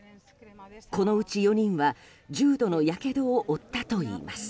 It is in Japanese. このうち４人は重度のやけどを負ったといいます。